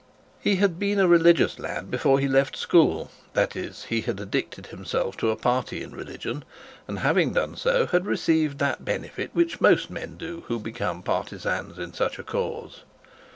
He had been a religious lad before he left school. That is, he had addicted himself to a party of religion, and having done so had received that benefit which most men do who become partisans in such a cause.